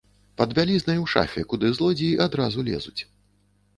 Пад бялізнай у шафе, куды злодзеі адразу лезуць.